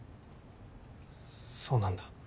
そうなんだ。